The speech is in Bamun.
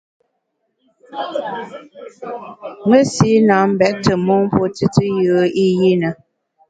Mesi na mbèt tù mon mpuo tùtù yùe i yi na.